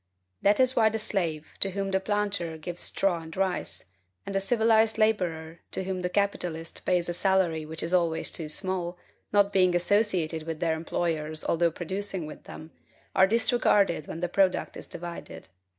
That is why the slave, to whom the planter gives straw and rice; and the civilized laborer, to whom the capitalist pays a salary which is always too small, not being associated with their employers, although producing with them, are disregarded when the product is divided.